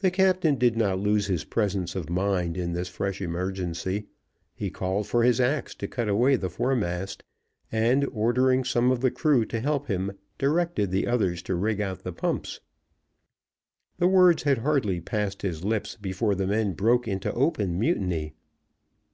The captain did not lose his presence of mind in this fresh emergency. He called for his ax to cut away the foremast, and, ordering some of the crew to help him, directed the others to rig out the pumps. The words had hardly passed his lips before the men broke into open mutiny.